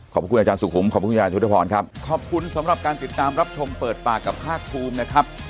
ขอบคุณอาจารย์สุขุมขอบคุณอาจารย์ยุตฐพรครับ